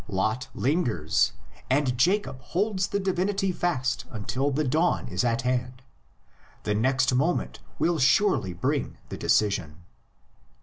Lot lingers, and Jacob holds the divinity fast until the dawn is at hand: the next moment will surely bring the decision.